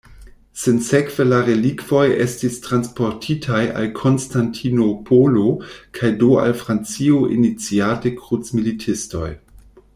Sinsekve la relikvoj estis transportitaj al Konstantinopolo kaj do al Francio iniciate krucmilitistoj.